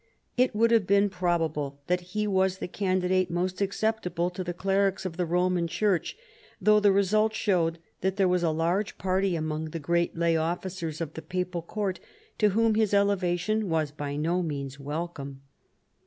It would seem probable that he was the candidate most acceptable to the clerics of the Roman Church, though the result showed that there was a large party among the great lay oflBlcers of the papal court to whom his elevation was by no means welcome.